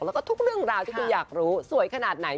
แล้วก็ทุกเรื่องราวที่ตรงผู้หมาลูกสวยขนาดไหน